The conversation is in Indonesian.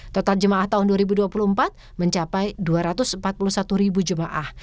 total jemaah tahun dua ribu dua puluh empat mencapai dua ratus empat puluh satu ribu jemaah